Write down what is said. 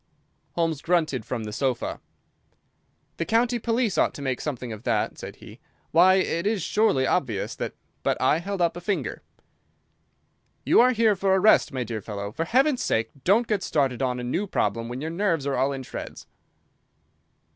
Holmes grunted from the sofa. "The county police ought to make something of that," said he; "why, it is surely obvious that—" But I held up a warning finger. "You are here for a rest, my dear fellow. For Heaven's sake don't get started on a new problem when your nerves are all in shreds."